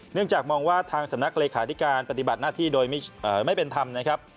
เนื่องจากมองว่าทางสำนักเลขาธิการปฏิบัติหน้าที่โดยไม่เป็นธรรมนะครับ